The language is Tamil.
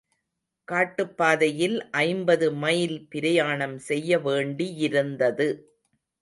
காட்டுப்பாதையில் ஐம்பது மைல் பிரயாணம் செய்ய வேண்டியிருந்தது.